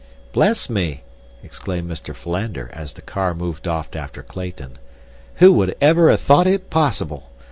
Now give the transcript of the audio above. "Bless me!" exclaimed Mr. Philander, as the car moved off after Clayton. "Who would ever have thought it possible!